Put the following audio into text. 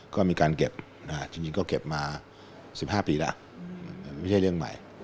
ก็มีการเก็บจริงก็เก็บมา๑๕ปีแล้วไม่ใช่เรื่องใหม่